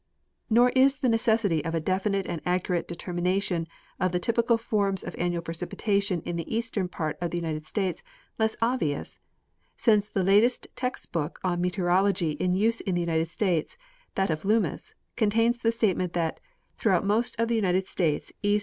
Nor is the necessity of a definite and accurate determination of the typical forms of annual precipitation in the eastern part of the United tStates less obvious, since the latest text book on meteorology in use in the United States, that of Loomis, contains the statement that " Throuo'hout most of the United States east Definition of Rainfall Types.